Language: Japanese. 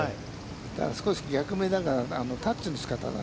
だから、少し逆目だから、タッチの仕方かな。